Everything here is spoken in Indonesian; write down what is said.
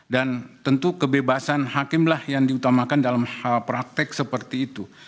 dan tentu kebebasan hakim lah yang diutamakan dalam praktek seperti itu